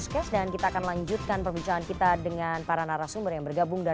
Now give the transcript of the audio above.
kita berbincang dengan para narasumber yang bergabung